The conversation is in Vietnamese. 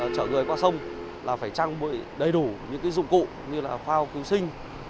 chở người qua sông là phải trang bị đầy đủ những dụng cụ như là phao cứu sinh